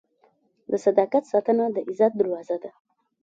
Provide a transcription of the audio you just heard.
د صداقت ساتنه د عزت دروازه ده.